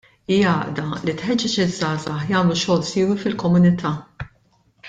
Hija għaqda li tħeġġeġ iż-żgħażagħ jagħmlu xogħol siewi fil-komunità.